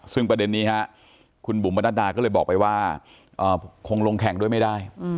ซึ่งประเด็นนี้คุณบุ๋มประนัดดาก็เลยบอกไปว่าคงลงแข่งด้วยไม่ได้